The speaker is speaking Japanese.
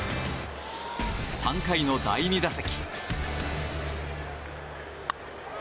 ３回の第２打席。